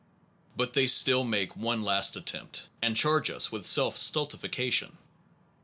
But they still make one last attempt, and charge us with self stultification.